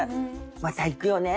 また行くよね